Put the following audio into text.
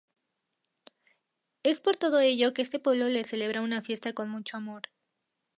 Es por todo ello que este pueblo le celebra una fiesta con mucho amor.